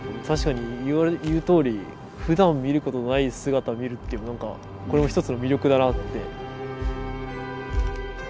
確かに言うとおりふだん見ることない姿見るっていうなんかこれも一つの魅力だなって。